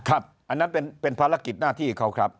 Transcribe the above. อันนั้นเป็นภารกิจหน้าที่เขาครับ